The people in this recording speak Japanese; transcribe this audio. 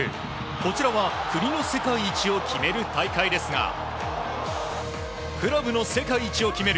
こちらは国の世界一を決める大会ですがクラブの世界一を決める